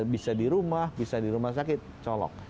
bisa di rumah bisa di rumah sakit colok